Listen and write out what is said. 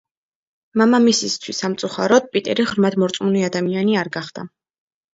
მამამისისთვის სამწუხაროდ, პიტერი ღრმად მორწმუნე ადამიანი არ გახდა.